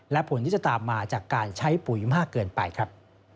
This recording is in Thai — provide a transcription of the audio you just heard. และผลที่จะตามมาจากการใช้ปุ๋ยมากเกินไปครับ